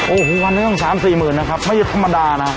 โอ้โหวันนี้ต้อง๓๔หมื่นนะครับไม่ใช่ธรรมดานะ